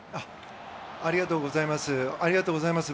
ありがとうございます。